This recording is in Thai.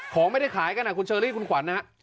ของไม่ได้ขายกันคุณเชอรี่คุณขวัญนะฮะ